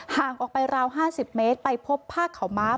ห่างออกไปราว๕๐เมตรไปพบผ้าขาวม้า